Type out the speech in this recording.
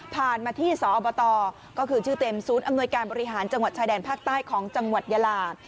มาที่สอบตก็คือชื่อเต็มศูนย์อำนวยการบริหารจังหวัดชายแดนภาคใต้ของจังหวัดยาลา